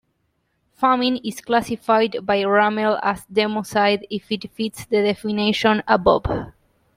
Famine is classified by Rummel as democide if it fits the definition above.